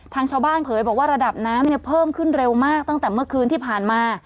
ทางชาวบ้านเผยบอกว่าระดับน้ำเนี่ยเพิ่มขึ้นเร็วมากตั้งแต่เมื่อคืนที่ผ่านมา